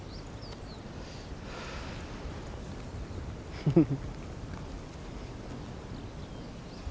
フフフッ。